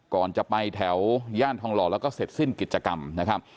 ก่อนจะไปแถวย่านทองหล่อแล้วก็เสร็จสิ้นกิจกรรมนะครับ